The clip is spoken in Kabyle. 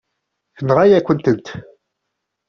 Tenɣa-yakent-t.